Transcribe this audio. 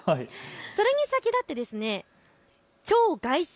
それに先立って超凱旋！